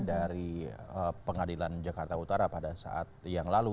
dari pengadilan jakarta utara pada saat yang lalu